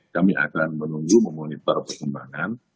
kami akan menunggu memonitor perkembangan